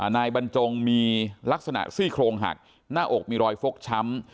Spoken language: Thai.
นายบรรจงมีลักษณะซี่โครงหักหน้าอกมีรอยฟกช้ำ